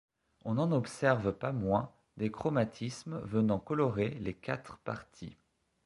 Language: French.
On n'en observe pas moins des chromatismes venant colorer les quatre parties.